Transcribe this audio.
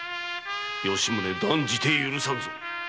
吉宗断じて許さんぞ。